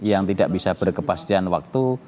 yang tidak bisa berkepastian waktu